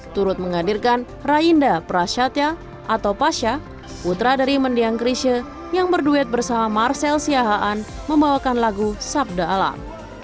turut menghadirkan rainda prasyatya atau pasha putra dari mendiang krisha yang berduet bersama marcel siahaan membawakan lagu sabda alam